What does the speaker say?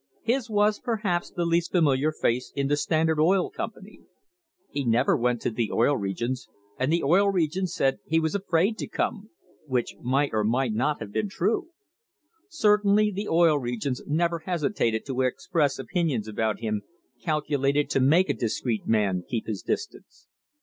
His was per haps the least familiar face in the Standard Oil Company. He never went to the Oil Regions, and the Oil Regions said he was afraid to come, which might or might not have been true. Certainly the Oil Regions never hesitated to express opinions about him calculated to make a discreet man keep his distance.